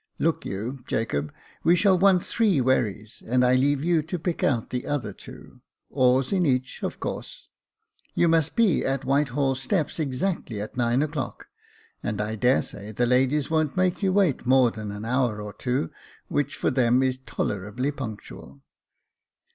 Look you, Jacob, we shall want three wherries, and I leave you to pick out the other two — oars in each, of course. You must be at Whitehall steps exactly at nine o'clock, and I daresay the ladies won't make you wait more than an hour or two, which, for them, is tolerably punctual."